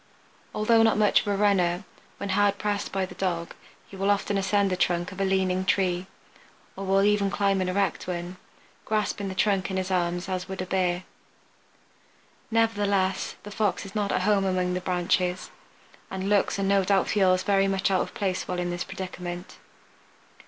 Although not much of a runner, when hard pressed by the dog he will often ascend the trunk of a leaning tree, or will even climb an erect one, grasping the trunk in his arms as would a Bear. Nevertheless the Fox is not at home among the branches, and looks and no doubt feels very much out of place while in this predicament.